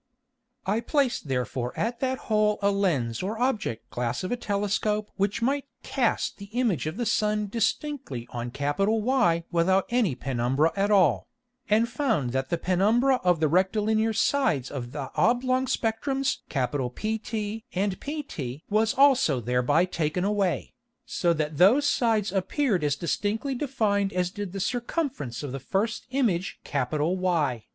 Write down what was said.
I placed therefore at that hole a Lens or Object glass of a Telescope which might cast the Image of the Sun distinctly on Y without any Penumbra at all, and found that the Penumbra of the rectilinear Sides of the oblong Spectrums PT and pt was also thereby taken away, so that those Sides appeared as distinctly defined as did the Circumference of the first Image Y.